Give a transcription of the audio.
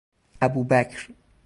ابوبکر